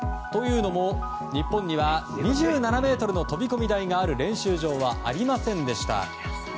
日本には２７ｍの飛込台がある練習場はありませんでした。